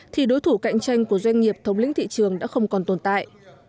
thì đối thủ cạnh tranh của doanh nghiệp thống lĩnh thị trường đã không còn tồn tại